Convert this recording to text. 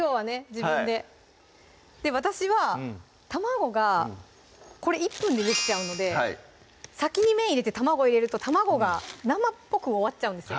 自分で私は卵がこれ１分でできちゃうので先に麺入れて卵入れると卵が生っぽく終わっちゃうんですよ